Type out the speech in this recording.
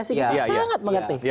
kita sangat mengerti